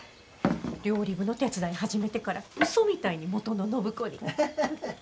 料理部の手伝い始めてからウソみたいに元の暢子に。